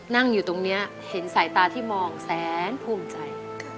นั่งอยู่ตรงนี้เห็นสายตาที่มองแสนภูมิใจ